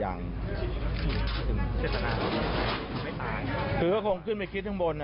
อย่างคือเขาคงขึ้นไปคิดข้างบน